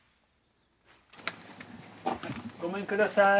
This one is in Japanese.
ごめんください。